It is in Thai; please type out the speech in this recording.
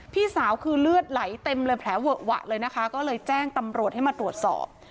พี่สาวคือเลือดไหลเต็มเลยแผลเวอะหวะเลยนะคะก็เลยแจ้งตำรวจให้มาตรวจสอบ